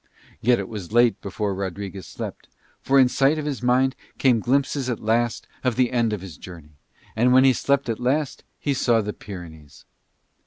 Yet it was late before Rodriguez slept, for in sight of his mind came glimpses at last of the end of his journey; and, when he slept at last, he saw the Pyrenees.